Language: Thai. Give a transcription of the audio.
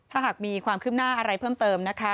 ถ้าหากมีความคืบหน้าอะไรเพิ่มเติมนะคะ